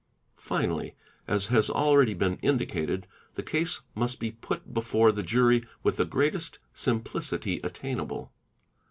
3 Finally, as has already been indicated, the case must be put before re he jury with the greatest simplicity attainable.